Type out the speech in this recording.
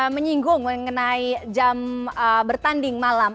menyinggung mengenai jam bertanding malam